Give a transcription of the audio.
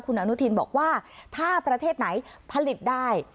คุณอนุทินบอกว่าถ้าประเทศไหนผลิตได้